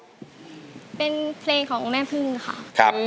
โอ้โหไปทบทวนเนื้อได้โอกาสทองเลยนานทีเดียวเป็นไงครับวาว